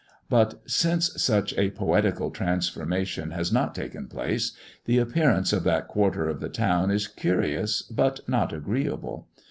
But since such a poetical transformation has not taken place, the appearance of that quarter of the town is curious but not agreeable.